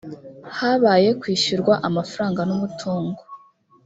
habaye kwishyurwa amafaranga n `umutungo.